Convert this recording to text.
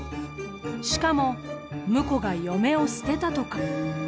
しかも婿が嫁を捨てたとか。